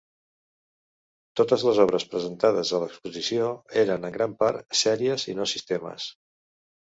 Totes les obres presentades a l'exposició eren en gran part sèries i no sistemes.